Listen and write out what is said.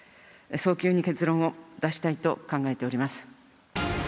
早急に結論を出したいと考えております。